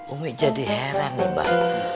umi jadi heran nih mbak